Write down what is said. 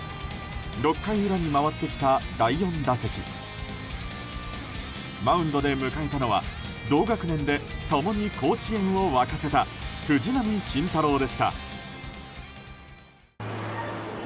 ６回裏に回ってきた第４打席マウンドで迎えたのは同学年で、共に甲子園を沸かせた藤浪晋太郎でした。